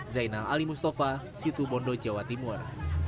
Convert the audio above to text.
zainal ali mustafa situ bondo jawa timur